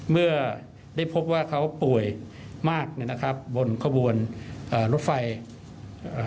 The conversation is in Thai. เมื่อได้พบว่าเขาป่วยมากเนี่ยนะครับบนขบวนเอ่อรถไฟเอ่อ